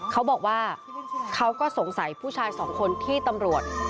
เขาบอกว่าเขาก็สงสัยผู้ชายสองคนที่ตำรวจ